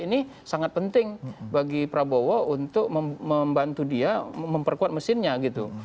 ini sangat penting bagi prabowo untuk membantu dia memperkuat mesinnya gitu